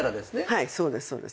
はいそうですそうです。